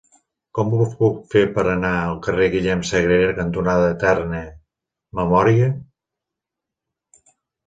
Com ho puc fer per anar al carrer Guillem Sagrera cantonada Eterna Memòria?